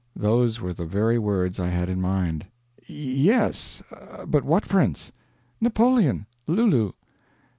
(Those were the very words I had in my mind.) "Yes, but what Prince?" "Napoleon. Lulu."